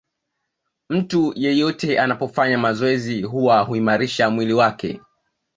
Mtu yeyote anapofanya mazoezi huwa huimarisha mwili wake